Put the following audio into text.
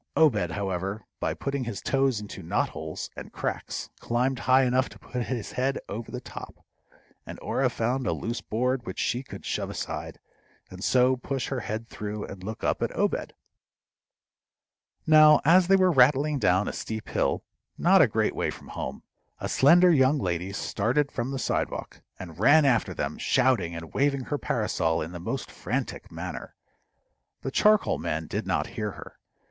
Obed, however, by putting his toes into knot holes and cracks, climbed high enough to put his head over the top, and Orah found a loose board which she could shove aside, and so push her head through and look up at Obed. Now as they were rattling down a steep hill not a great way from home, a slender young lady started from the sidewalk, and ran after them, shouting and waving her parasol in the most frantic manner. The charcoal man did not hear her.